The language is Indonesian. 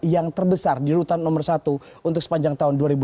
yang terbesar di rutan nomor satu untuk sepanjang tahun dua ribu dua puluh